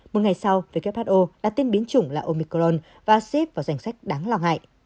một ngày sau who đặt tên biến chủng là omicron và xếp vào danh sách đáng lo ngại